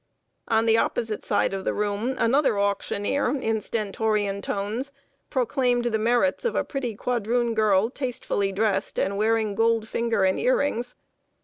On the opposite side of the room another auctioneer, in stentorian tones, proclaimed the merits of a pretty quadroon girl, tastefully dressed, and wearing gold finger and ear rings.